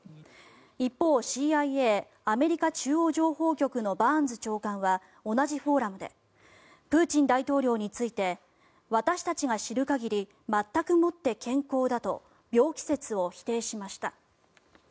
一方ＣＩＡ・アメリカ中央情報局のバーンズ長官は同じフォーラムでプーチン大統領について私たちが知る限り全くもって健康だと病気説を否定しました。